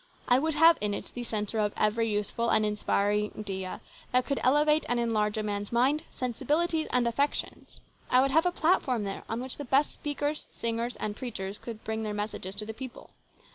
I would have in it the centre of every useful and inspiring idea that could elevate and enlarge a man's mind, sensibilities, and affections. I would have a platform there on which the best speakers, singers, and preachers could bring their messages to the people.